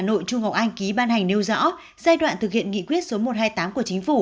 nội trung ngọc anh ký ban hành nêu rõ giai đoạn thực hiện nghị quyết số một trăm hai mươi tám của chính phủ